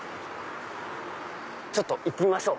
ちょっと行ってみましょう！